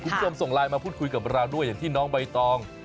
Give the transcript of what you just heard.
ส่งไลน์มาพูดคุยกับเราด้วยอย่างที่น้องใบตอง